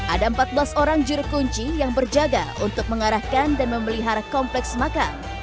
ada empat belas orang juri kunci yang berjaga untuk mengarahkan dan memelihara kompleks makam